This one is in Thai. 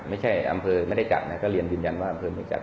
ไม่ใช่อำเภอไม่ได้จัดนะครับ